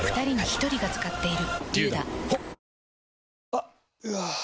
あっ、うわー。